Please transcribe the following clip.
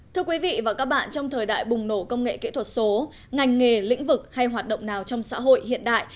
thưa quý vị và các bạn trong thời đại bùng nổ công nghệ kỹ thuật số ngành nghề lĩnh vực hay hoạt động nào trong xã hội hiện đại